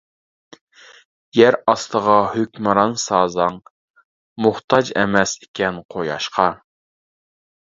يەر ئاستىغا ھۆكۈمران سازاڭ، موھتاج ئەمەس ئىكەن قۇياشقا.